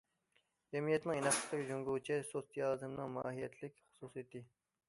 جەمئىيەتنىڭ ئىناقلىقى جۇڭگوچە سوتسىيالىزمنىڭ ماھىيەتلىك خۇسۇسىيىتى.